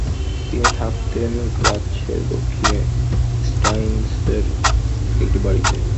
তিনি থাকতেন গ্রাৎসের দক্ষিণে স্টাইনৎসের একটি বাড়িতে।